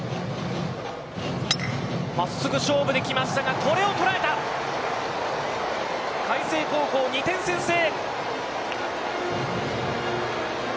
真っすぐ勝負に来ましたがこれを捉えた海星高校、２点先制。